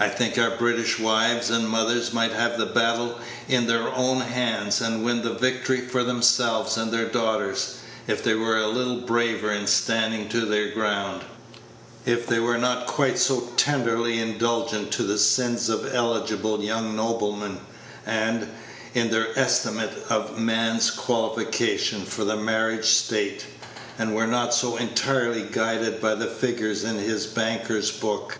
I think our British wives and mothers might have the battle in their own hands, and win the victory for themselves and their daughters, if they were a little braver in standing to their ground if they were not quite so tenderly indulgent to the sins of eligible young noblemen, and, in their estimate of a man's qualifications for the marriage state, were not so entirely guided by the figures in his banker's book.